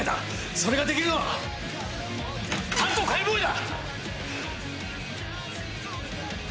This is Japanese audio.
それができるのは担当解剖医だ！